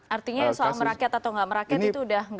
artinya soal merakyat atau nggak merakyat itu udah nggak ini lagi